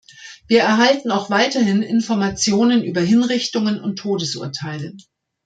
Wir erhalten auch weiterhin Informationen über Hinrichtungen und Todesurteile.